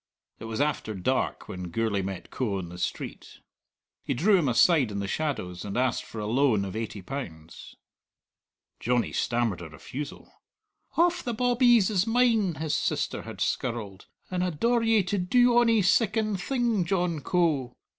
It was after dark when Gourlay met Coe on the street. He drew him aside in the shadows, and asked for a loan of eighty pounds. Johnny stammered a refusal. "Hauf the bawbees is mine," his sister had skirled, "and I daur ye to do ony siccan thing, John Coe!"